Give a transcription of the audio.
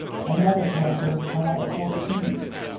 Another council was called at Fort King.